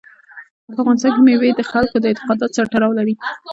په افغانستان کې مېوې د خلکو د اعتقاداتو سره تړاو لري.